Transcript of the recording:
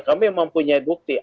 kami mempunyai bukti